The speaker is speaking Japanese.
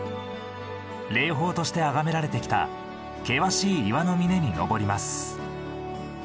霊峰としてあがめられてきた険しい岩の峰に登ります。